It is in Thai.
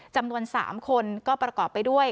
จำนวน๓คนก็ประกอบไปด้วย